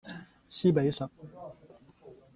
西北省